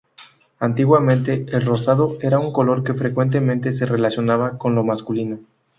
Antiguamente, el rosado era un color que frecuentemente se relacionaba con lo masculino.